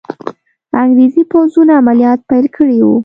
انګریزي پوځونو عملیات پیل کړي وو.